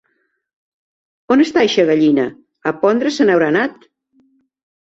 On està eixa gallina? A pondre se n’haurà anat.